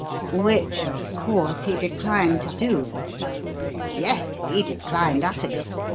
"Which, of course, he declined to do?" "Yes. He declined utterly.